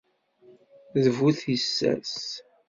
D bu tissas